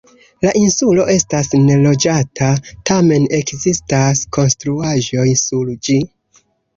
La insulo estas neloĝata, tamen ekzistas konstruaĵoj sur ĝi.